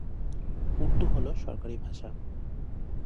উর্দু হল সরকারি ভাষা।